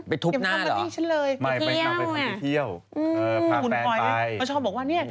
ไปทุบหน้าเหรอไปเที่ยวไงพาแฟนไปมันชอบบอกว่าเนี่ย